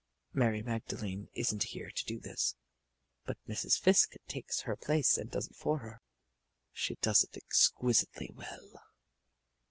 Mary Magdalene isn't here to do this, but Mrs. Fiske takes her place and does it for her. She does it exquisitely well.